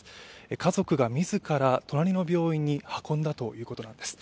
家族が自ら隣の病院に運んだということなんです。